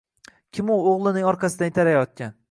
Kim u o‘g‘lining orqasidan itarayotgan?